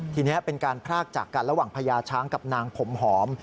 ทีนี้เป็นการพรากจากกันระหว่างพญาช้างกับนางผมหอม